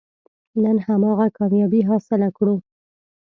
نن هماغه کامیابي حاصله کړو.